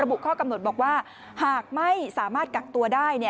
บุข้อกำหนดบอกว่าหากไม่สามารถกักตัวได้